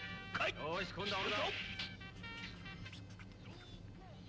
「よし今度は俺だ！」